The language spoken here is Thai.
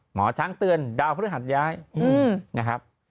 หมอช้างเตือนดาวพฤหัสย้ายนะครับ